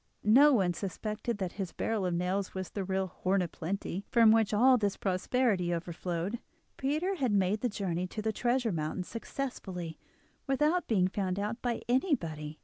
No one suspected that his barrel of nails was the real "Horn of Plenty," from which all this prosperity overflowed. Peter had made the journey to the treasure mountain successfully, without being found out by anybody.